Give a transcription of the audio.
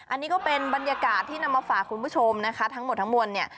อันนี้ก็เป็นบรรยากาศที่นำมาฝากคุณผู้ชมนะคะทั้งหมดทั้งมวลเนี่ย